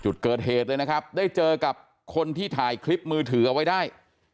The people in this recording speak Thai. จุดเกิดเหตุเลยนะครับได้เจอกับคนที่ถ่ายคลิปมือถือเอาไว้ได้